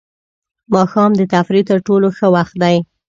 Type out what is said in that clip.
ماښام د تفریح تر ټولو ښه وخت دی.